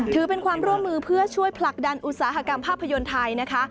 ถือเป็นความร่วมมือเพื่อช่วยผลักดันอุตสาหกรรมภาพยนตร์ไทยนะคะ